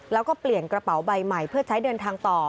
แล้วก็เปลี่ยนกระเป๋าใบใหม่เพื่อใช้เดินทางต่อ